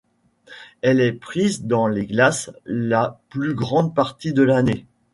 Elle est prise dans les glaces la plus grande partie de l'année.